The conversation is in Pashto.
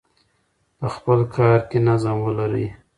په خپل کار کې نظم ولرئ.